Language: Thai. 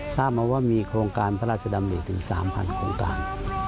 ทราบมาว่ามีโครงการพระราชดำริถึง๓๐๐โครงการ